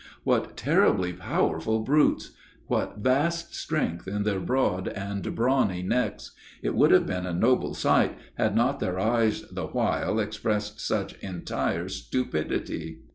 What terribly powerful brutes! what vast strength in their broad and brawny necks! It would have been a noble sight, had not their eyes the while expressed such entire stupidity.